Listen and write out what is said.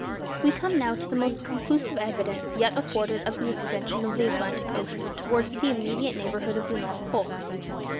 We come now to the most conclusive evidence yet afforded of the extension of the Atlantic Ocean towards the immediate neighbourhood of the North Pole.